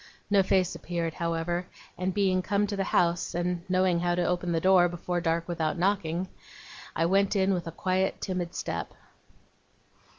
No face appeared, however; and being come to the house, and knowing how to open the door, before dark, without knocking, I went in with a quiet, timid step.